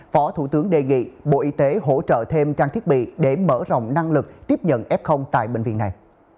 phó thủ tướng đề nghị bộ y tế hỗ trợ thêm trang thiết bị để mở rộng năng lực tiếp nhận f tại bệnh viện này